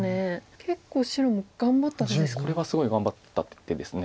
結構白も頑張った手ですか。